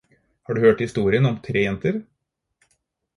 Har du hørt historien om tre jenter?